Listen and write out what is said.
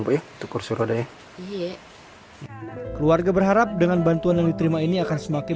pilih kursi roda ya iya keluarga berharap dengan bantuan yang diterima ini akan semakin